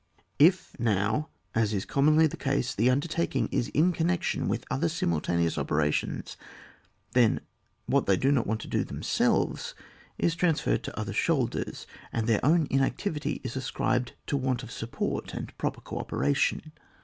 If now, as is commonly the case, the undertaking is in connection with other simultaneous operations, then what they do not want to do themselves is transferred to other shoulders, and their own inactivity is ascribed to want of support and proper co operation.